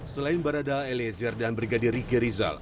selain barada eliezer dan brigadir rikerizal